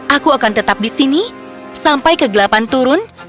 aku akan tetap di sini sampai kegelapan turun